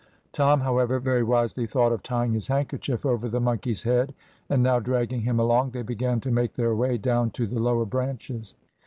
Tom, however, very wisely thought of tying his handkerchief over the monkey's head, and now dragging him along they began to make their way down to the lower branches.